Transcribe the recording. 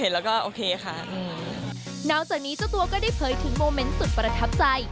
แล้วก็โอเคค่ะนอกจากนี้เจ้าตัวก็ได้เผยถึงโมเมนต์สุดประทับใจ